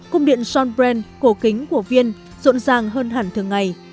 cung điện sean brand cổ kính của viên rộn ràng hơn hẳn thường ngày